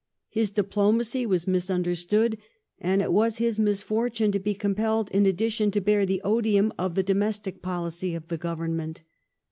His diplomacy was misunderstood, and it was his misfortune to be compelled, in addition, to bear the odium of the domestic policy of the Government.